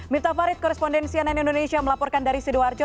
miftah farid korespondensi ann indonesia melaporkan dari sidoarjo